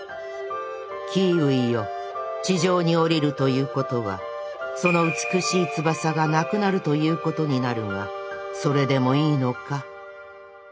「キーウィよ地上に降りるということはその美しい翼がなくなるということになるがそれでもいいのか？」。